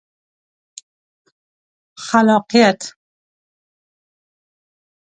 خلاقیت